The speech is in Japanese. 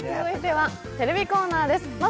続いてはテレビコーナーです。